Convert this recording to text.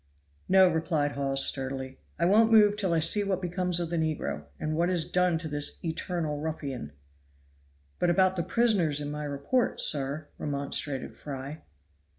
"No," replied Hawes sturdily, "I won't move till I see what becomes of the negro, and what is done to this eternal ruffian." "But about the prisoners in my report, sir," remonstrated Fry.